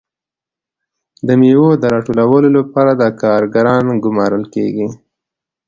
د میوو د راټولولو لپاره کارګران ګمارل کیږي.